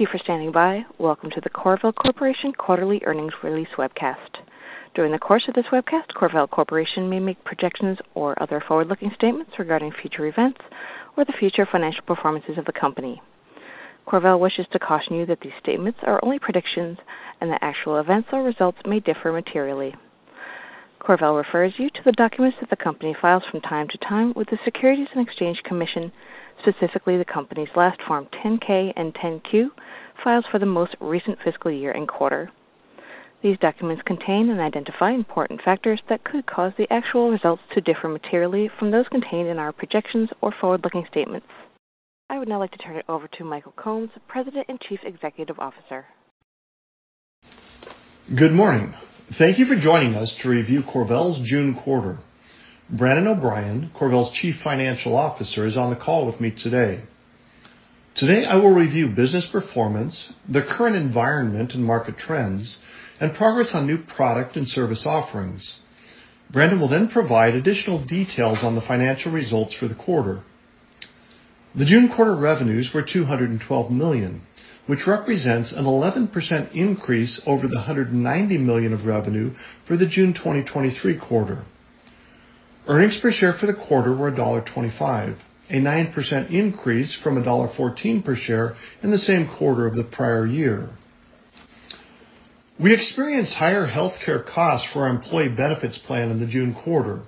Thank you for standing by. Welcome to the CorVel Corporation Quarterly Earnings Release webcast. During the course of this webcast, CorVel Corporation may make projections or other forward-looking statements regarding future events or the future financial performances of the company. CorVel wishes to caution you that these statements are only predictions, and the actual events or results may differ materially. CorVel refers you to the documents that the company files from time to time with the Securities and Exchange Commission, specifically the company's last Form 10-K and 10-Q files for the most recent fiscal year and quarter. These documents contain and identify important factors that could cause the actual results to differ materially from those contained in our projections or forward-looking statements. I would now like to turn it over to Michael Combs, President and Chief Executive Officer. Good morning. Thank you for joining us to review CorVel's June quarter. Brandon O'Brien, CorVel's Chief Financial Officer, is on the call with me today. Today, I will review business performance, the current environment and market trends, and progress on new product and service offerings. Brandon will then provide additional details on the financial results for the quarter. The June quarter revenues were $212 million, which represents an 11% increase over the $190 million of revenue for the June 2023 quarter. Earnings per share for the quarter were $1.25, a 9% increase from $1.14 per share in the same quarter of the prior year. We experienced higher healthcare costs for our employee benefits plan in the June quarter.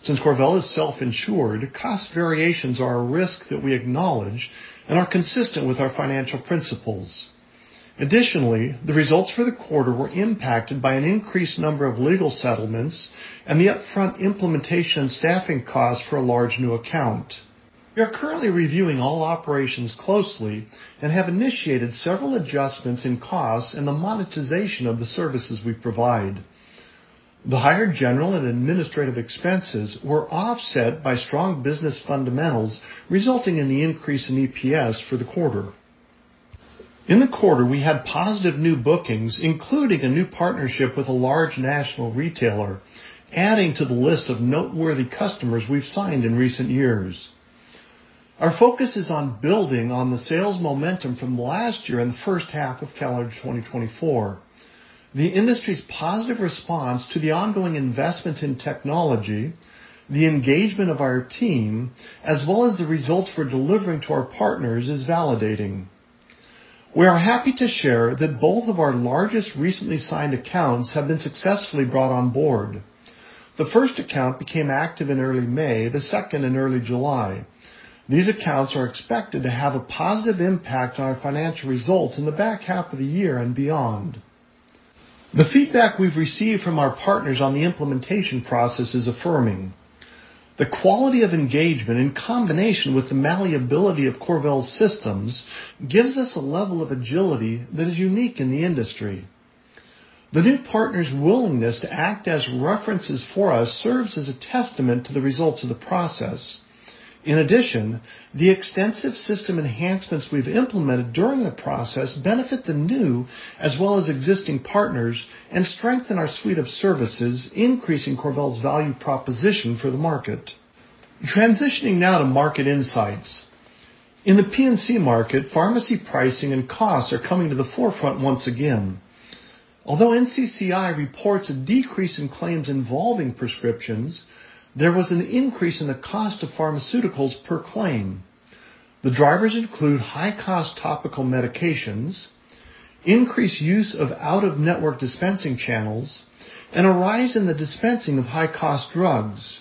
Since CorVel is self-insured, cost variations are a risk that we acknowledge and are consistent with our financial principles. Additionally, the results for the quarter were impacted by an increased number of legal settlements and the upfront implementation and staffing costs for a large new account. We are currently reviewing all operations closely and have initiated several adjustments in costs and the monetization of the services we provide. The higher general and administrative expenses were offset by strong business fundamentals, resulting in the increase in EPS for the quarter. In the quarter, we had positive new bookings, including a new partnership with a large national retailer, adding to the list of noteworthy customers we've signed in recent years. Our focus is on building on the sales momentum from last year in the first half of calendar 2024. The industry's positive response to the ongoing investments in technology, the engagement of our team, as well as the results we're delivering to our partners, is validating. We are happy to share that both of our largest recently signed accounts have been successfully brought on board. The first account became active in early May, the second in early July. These accounts are expected to have a positive impact on our financial results in the back half of the year and beyond. The feedback we've received from our partners on the implementation process is affirming. The quality of engagement, in combination with the malleability of CorVel's systems, gives us a level of agility that is unique in the industry. The new partners' willingness to act as references for us serves as a testament to the results of the process. In addition, the extensive system enhancements we've implemented during the process benefit the new as well as existing partners and strengthen our suite of services, increasing CorVel's value proposition for the market. Transitioning now to market insights. In the P&C market, pharmacy pricing and costs are coming to the forefront once again. Although NCCI reports a decrease in claims involving prescriptions, there was an increase in the cost of pharmaceuticals per claim. The drivers include high-cost topical medications, increased use of out-of-network dispensing channels, and a rise in the dispensing of high-cost drugs.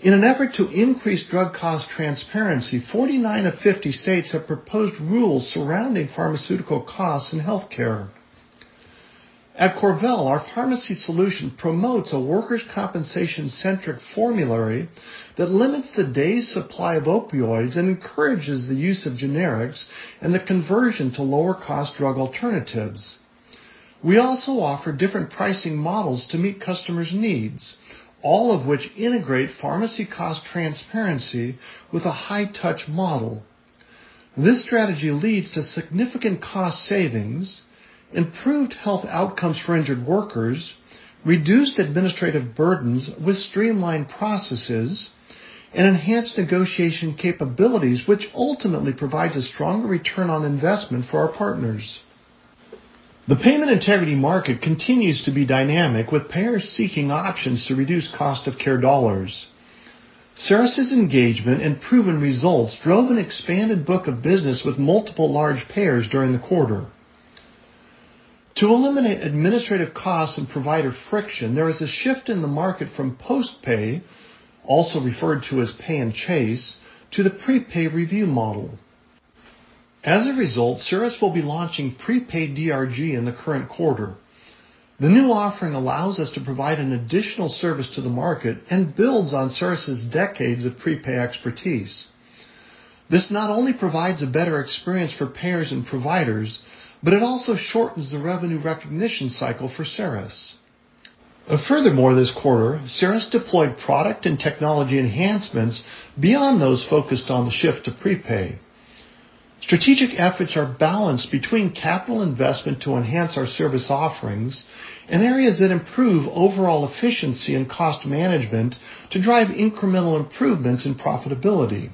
In an effort to increase drug cost transparency, 49 of 50 states have proposed rules surrounding pharmaceutical costs in healthcare. At CorVel, our pharmacy solution promotes a workers' compensation-centric formulary that limits the day's supply of opioids and encourages the use of generics and the conversion to lower-cost drug alternatives. We also offer different pricing models to meet customers' needs, all of which integrate pharmacy cost transparency with a high-touch model. This strategy leads to significant cost savings, improved health outcomes for injured workers, reduced administrative burdens with streamlined processes, and enhanced negotiation capabilities, which ultimately provides a stronger return on investment for our partners. The payment integrity market continues to be dynamic, with payers seeking options to reduce cost-of-care dollars. CERiS' engagement and proven results drove an expanded book of business with multiple large payers during the quarter. To eliminate administrative costs and provider friction, there is a shift in the market from post-pay, also referred to as pay-and-chase, to the pre-pay review model. As a result, CERiS will be launching pre-pay DRG in the current quarter. The new offering allows us to provide an additional service to the market and builds on CERiS' decades of pre-pay expertise. This not only provides a better experience for payers and providers, but it also shortens the revenue recognition cycle for CERiS. Furthermore, this quarter, CERiS deployed product and technology enhancements beyond those focused on the shift to pre-pay. Strategic efforts are balanced between capital investment to enhance our service offerings and areas that improve overall efficiency and cost management to drive incremental improvements in profitability.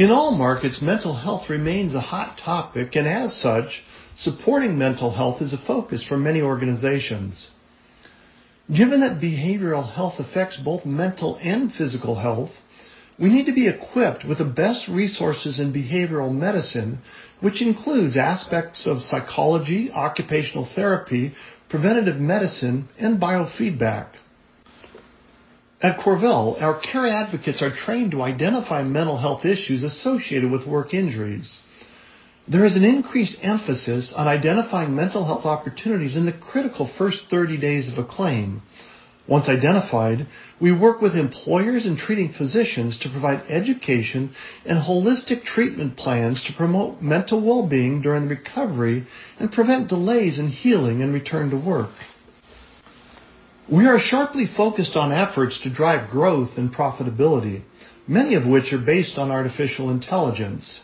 In all markets, mental health remains a hot topic, and as such, supporting mental health is a focus for many organizations. Given that behavioral health affects both mental and physical health, we need to be equipped with the best resources in behavioral medicine, which includes aspects of psychology, occupational therapy, preventative medicine, and biofeedback. At CorVel, our care advocates are trained to identify mental health issues associated with work injuries. There is an increased emphasis on identifying mental health opportunities in the critical first 30 days of a claim. Once identified, we work with employers and treating physicians to provide education and holistic treatment plans to promote mental well-being during the recovery and prevent delays in healing and return to work. We are sharply focused on efforts to drive growth and profitability, many of which are based on artificial intelligence.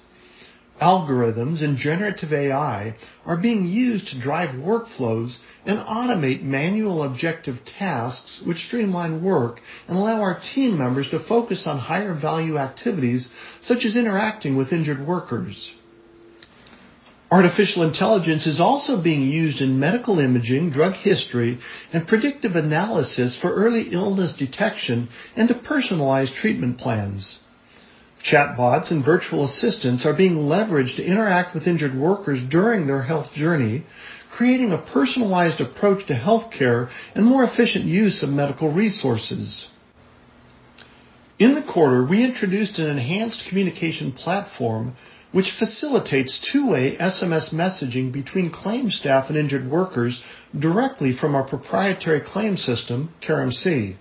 Algorithms and generative AI are being used to drive workflows and automate manual objective tasks, which streamline work and allow our team members to focus on higher-value activities such as interacting with injured workers. Artificial intelligence is also being used in medical imaging, drug history, and predictive analysis for early illness detection and to personalize treatment plans. Chatbots and virtual assistants are being leveraged to interact with injured workers during their health journey, creating a personalized approach to healthcare and more efficient use of medical resources. In the quarter, we introduced an enhanced communication platform, which facilitates two-way SMS messaging between claim staff and injured workers directly from our proprietary claim system, CareMC.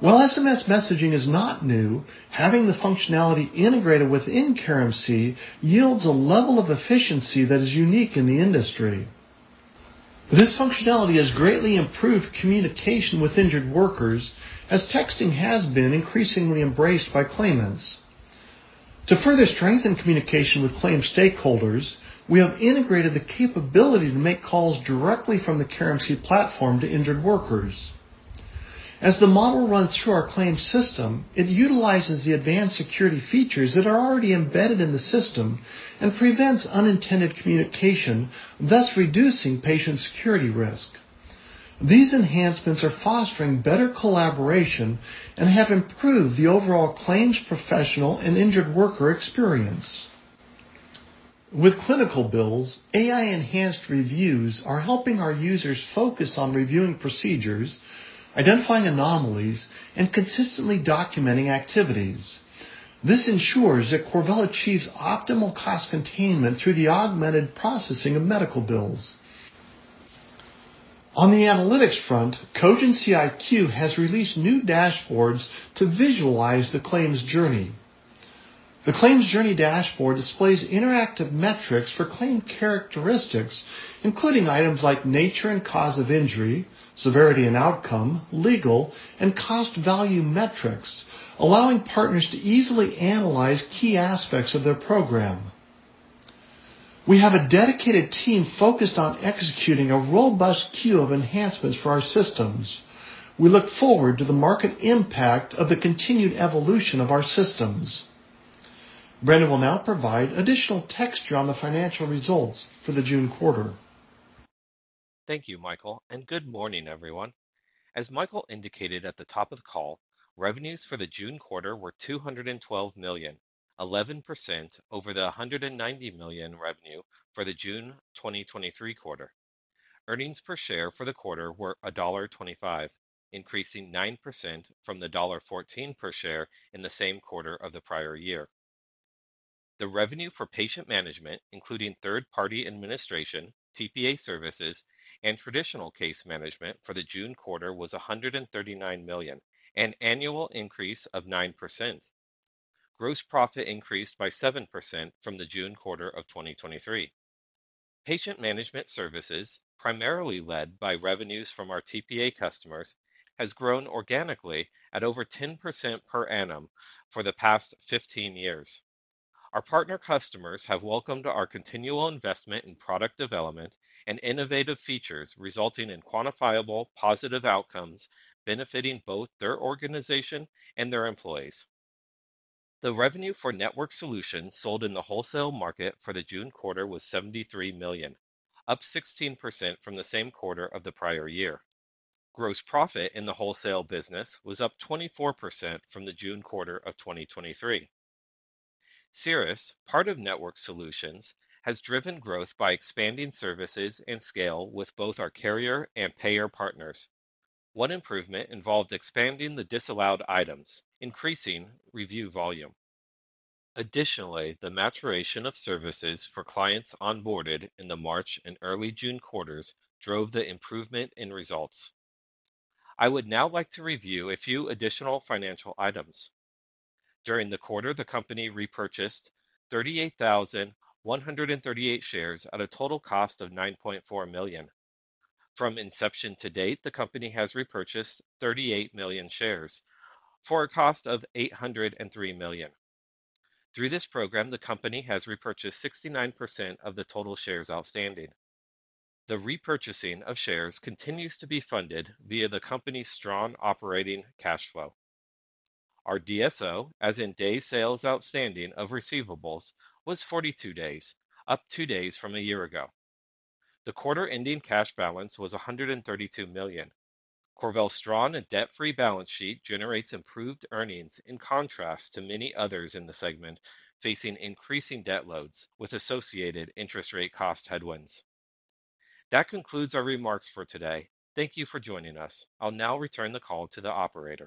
While SMS messaging is not new, having the functionality integrated within CareMC yields a level of efficiency that is unique in the industry. This functionality has greatly improved communication with injured workers, as texting has been increasingly embraced by claimants. To further strengthen communication with claim stakeholders, we have integrated the capability to make calls directly from the CareMC platform to injured workers. As the model runs through our claim system, it utilizes the advanced security features that are already embedded in the system and prevents unintended communication, thus reducing patient security risk. These enhancements are fostering better collaboration and have improved the overall claims professional and injured worker experience. With clinical bills, AI-enhanced reviews are helping our users focus on reviewing procedures, identifying anomalies, and consistently documenting activities. This ensures that CorVel achieves optimal cost containment through the augmented processing of medical bills. On the analytics front, CogentIQ has released new dashboards to visualize the claims journey. The claims journey dashboard displays interactive metrics for claim characteristics, including items like nature and cause of injury, severity and outcome, legal, and cost value metrics, allowing partners to easily analyze key aspects of their program. We have a dedicated team focused on executing a robust queue of enhancements for our systems. We look forward to the market impact of the continued evolution of our systems. Brandon will now provide additional texture on the financial results for the June quarter. Thank you, Michael, and good morning, everyone. As Michael indicated at the top of the call, revenues for the June quarter were $212 million, 11% over the $190 million revenue for the June 2023 quarter. Earnings per share for the quarter were $1.25, increasing 9% from the $1.14 per share in the same quarter of the prior year. The revenue for patient management, including third-party administration, TPA services, and traditional case management for the June quarter was $139 million, an annual increase of 9%. Gross profit increased by 7% from the June quarter of 2023. Patient management services, primarily led by revenues from our TPA customers, have grown organically at over 10% per annum for the past 15 years. Our partner customers have welcomed our continual investment in product development and innovative features, resulting in quantifiable positive outcomes benefiting both their organization and their employees. The revenue for network solutions sold in the wholesale market for the June quarter was $73 million, up 16% from the same quarter of the prior year. Gross profit in the wholesale business was up 24% from the June quarter of 2023. CERiS, part of network solutions, has driven growth by expanding services and scale with both our carrier and payer partners. One improvement involved expanding the disallowed items, increasing review volume. Additionally, the maturation of services for clients onboarded in the March and early June quarters drove the improvement in results. I would now like to review a few additional financial items. During the quarter, the company repurchased 38,138 shares at a total cost of $9.4 million. From inception to date, the company has repurchased 38 million shares for a cost of $803 million. Through this program, the company has repurchased 69% of the total shares outstanding. The repurchasing of shares continues to be funded via the company's strong operating cash flow. Our DSO, as in Days Sales Outstanding of receivables, was 42 days, up 2 days from a year ago. The quarter-ending cash balance was $132 million. CorVel's strong and debt-free balance sheet generates improved earnings in contrast to many others in the segment facing increasing debt loads with associated interest rate cost headwinds. That concludes our remarks for today. Thank you for joining us. I'll now return the call to the operator.